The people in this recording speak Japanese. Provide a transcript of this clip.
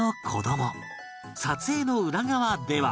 撮影の裏側では